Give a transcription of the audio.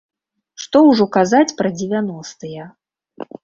Што ўжо казаць пра дзевяностыя.